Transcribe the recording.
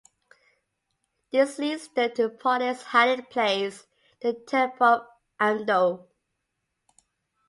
This leads them to Polly's hiding place, the temple of Amdo.